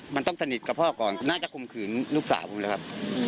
มันต้องสนิทกับพ่อก่อนน่าจะข่มขืนลูกสาวผมเลยครับ